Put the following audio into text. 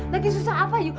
lagi susah apa you